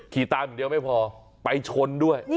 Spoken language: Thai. ขี่ตามอย่างเดียวไม่พอไปชนด้วย